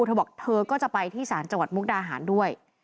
เธอบอกเธอก็จะไปที่ศาลจังหวัดมุกดาหารด้วย